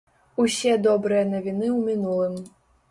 Усе добрыя навіны ў мінулым.